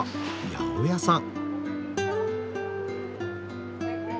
八百屋さん？